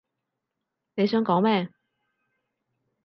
你想講咩？